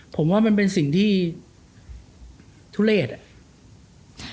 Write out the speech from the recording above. ผมว่ามันเป็นสิ่งที่ทุเลศอ่ะ